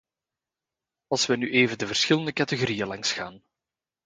Als wij nu even de verschillende categorieën langsgaan.